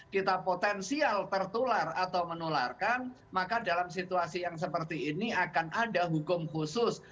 kita potensial tertular atau menularkan maka dalam situasi yang seperti ini akan ada hukum khusus